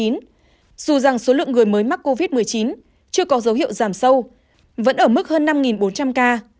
những người mới mắc covid một mươi chín chưa có dấu hiệu giảm sâu vẫn ở mức hơn năm bốn trăm linh ca